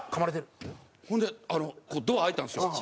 ほんでドア開いたんですよ。